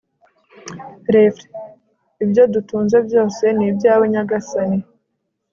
r/ ibyo dutunze byose ni ibyawe, nyagasani